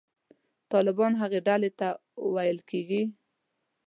طالبان هغې ډلې ته ویل کېږي.